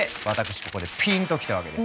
ここでピンときたわけですよ。